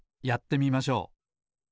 やってみましょう。